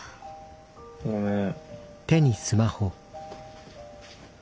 ごめん。